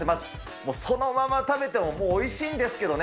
もうそのまま食べてももうおいしいんですけどね。